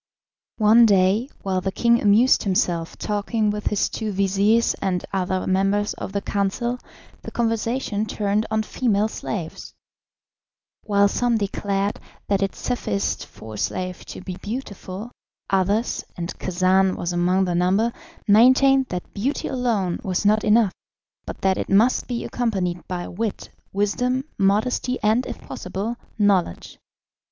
One day, while the king amused himself talking with his two vizirs and other members of the council, the conversation turned on female slaves. While some declared that it sufficed for a slave to be beautiful, others, and Khacan was among the number, maintained that beauty alone was not enough, but that it must be accompanied by wit, wisdom, modesty, and, if possible, knowledge.